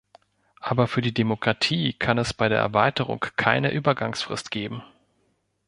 Aber für die Demokratie kann es bei der Erweiterung keine Übergangsfrist geben.